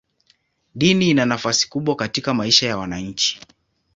Dini ina nafasi kubwa katika maisha ya wananchi.